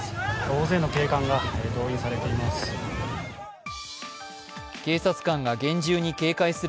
大勢の警官が動員されています。